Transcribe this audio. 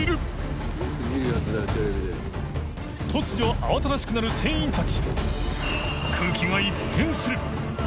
稙庸慌ただしくなる船員たち△